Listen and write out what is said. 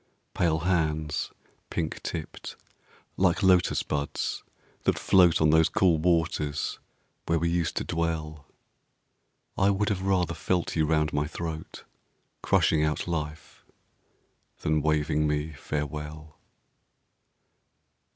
Pale hands, pink tipped, like Lotus buds that float On those cool waters where we used to dwell, I would have rather felt you round my throat, Crushing out life, than waving me farewell!